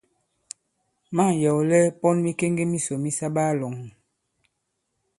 Ma᷇ŋ yɛ̀wlɛ pɔn mikeŋge misò mi sa baa-lɔ̄ŋ.